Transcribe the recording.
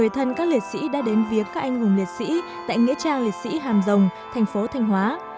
người thân các liệt sĩ đã đến viếng các anh hùng liệt sĩ tại nghĩa trang liệt sĩ hàm rồng thành phố thanh hóa